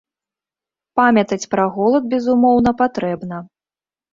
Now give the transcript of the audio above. Памятаць пра голад, безумоўна, патрэбна.